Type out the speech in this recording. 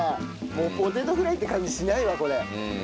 もうポテトフライって感じしないわこれ。